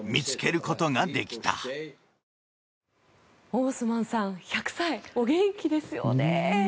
オースマンさん１００歳お元気ですよね。